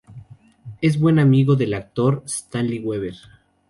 Es buen amigo del actor Stanley Weber.